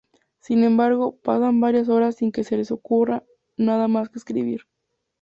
Sin embargo, pasan varias horas sin que se le ocurra nada más que escribir.